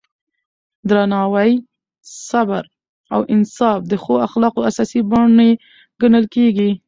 درناوی، صبر او انصاف د ښو اخلاقو اساسي بڼې ګڼل کېږي.